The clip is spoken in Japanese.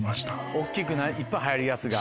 大っきくいっぱい入るやつが。